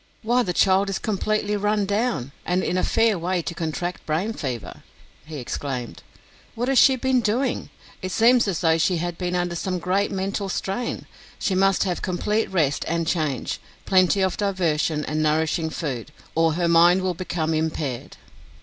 "Why, the child is completely run down, and in a fair way to contract brain fever!" he exclaimed. "What has she been doing? It seems as though she had been under some great mental strain. She must have complete rest and change, plenty of diversion and nourishing food, or her mind will become impaired."